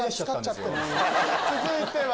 続いては。